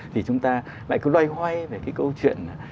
thì chúng ta lại cứ loay hoay về cái câu chuyện